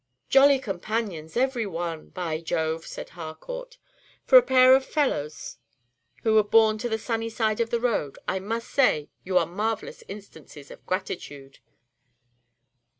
"'Jolly companions every one!' By Jove!" said Har court, "for a pair of fellows who were born on the sunny side of the road, I must say you are marvellous instances of gratitude."